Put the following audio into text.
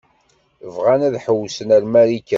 Bɣan ad ḥewwsen ar Marikan.